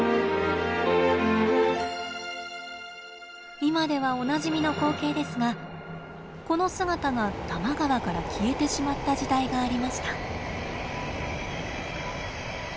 今ではおなじみの光景ですがこの姿が多摩川から消えてしまった時代がありました。